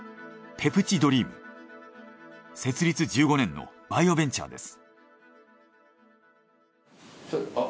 設立１５年のバイオベンチャーです。